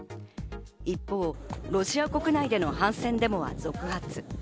一方、ロシア国内での反戦デモは続発。